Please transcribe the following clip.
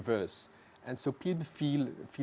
yang akan datang ke depannya